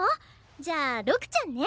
じゃあ六ちゃんね！